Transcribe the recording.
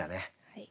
はい。